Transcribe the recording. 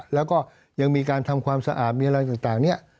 แล้วก็ยังมีการทำความสะอาดมีอะไรต่างเนี่ย